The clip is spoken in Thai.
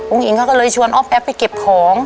อุ้งหญิงก็เลยชวนอ๊อบแป๊บไปเก็บของ